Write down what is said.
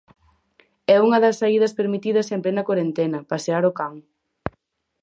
É unha das saídas permitidas en plena corentena, pasear ao can.